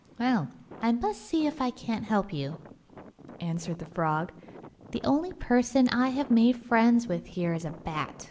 'Well, I must see if I can't help you,' answered the frog. 'The only person I have made friends with here is a bat.